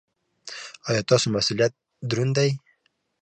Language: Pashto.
ایا ستاسو مسؤلیت دروند دی؟